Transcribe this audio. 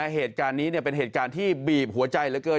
เหตุการณ์นี้เป็นเหตุการณ์ที่บีบหัวใจเหลือเกิน